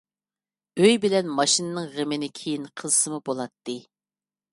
ئۆي بىلەن ماشىنىنىڭ غېمىنى كېيىن قىلسىمۇ بولاتتى.